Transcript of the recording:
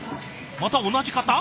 また同じ方？